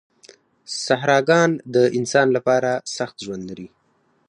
صحراګان د انسان لپاره سخت ژوند لري.